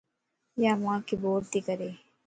يا مانک بورتي ڪري